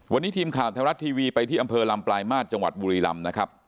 วันนี้ทีมข่าวไทยรัฐทีวีไปที่อำเภอลำปลายมาตรจังหวัดบุรีลำนะครับ